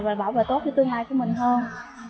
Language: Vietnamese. và bảo vệ tốt cho tương lai của mình hơn